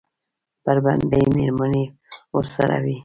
بربنډې مېرمنې ورسره وې.